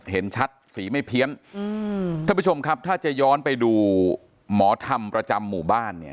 เห็นชัดสีไม่เพี้ยนท่านผู้ชมครับถ้าจะย้อนไปดูหมอธรรมประจำหมู่บ้านเนี่ย